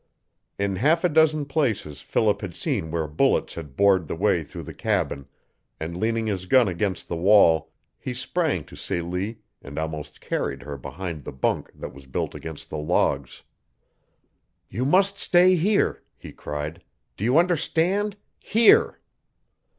In half a dozen places Philip had seen where bullets had bored the way through the cabin, and leaning his gun against the wall, he sprang to Celie and almost carried her behind the bunk that was built against the logs. "You must stay here," he cried. "Do you understand! HERE!"